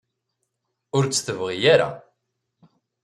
Ur tt-tebɣi ara.